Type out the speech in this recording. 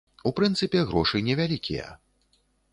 У прынцыпе, грошы невялікія.